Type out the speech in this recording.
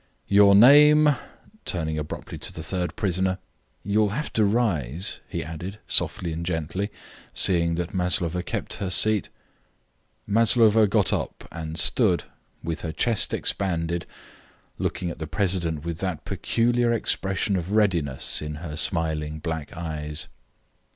"Your name?" turning abruptly to the third prisoner. "You will have to rise," he added, softly and gently, seeing that Maslova kept her seat. Maslova got up and stood, with her chest expanded, looking at the president with that peculiar expression of readiness in her smiling black eyes.